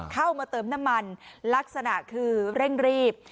เข้ามาเติมน้ำมันลักษณะคือเร่งรีบ